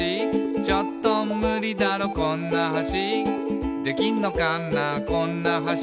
「ちょっとムリだろこんな橋」「できんのかなこんな橋」